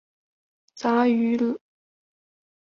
杂种鱼鳔槐为豆科鱼鳔槐属下的一个种。